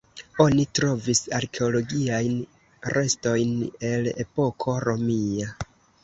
Oni trovis arkeologiajn restojn el epoko romia.